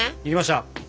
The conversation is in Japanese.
できました。